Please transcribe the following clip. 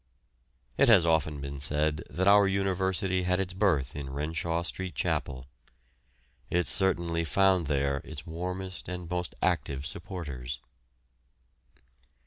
It has often been said that our University had its birth in Renshaw Street Chapel. It certainly found there its warmest and most active supporters.